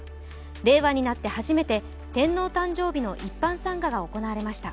令和になって初めて天皇誕生日の一般参賀が行われました。